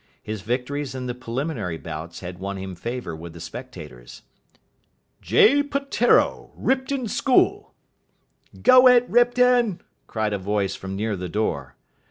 His victories in the preliminary bouts had won him favour with the spectators. "J. Peteiro, Ripton School." "Go it, Ripton!" cried a voice from near the door.